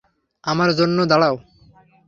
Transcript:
আমার জন্যে দাঁড়াও।